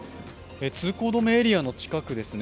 通行止めエリアの近くですね。